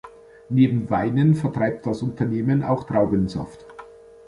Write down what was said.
Neben Weinen vertreibt das Unternehmen auch Traubensaft.